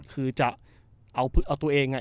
คือจะเอาตัวเอง